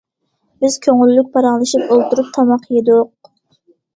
بىز كۆڭۈللۈك پاراڭلىشىپ ئولتۇرۇپ تاماق يېدۇق.